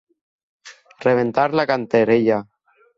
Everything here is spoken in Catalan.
Rebentar la cantarella.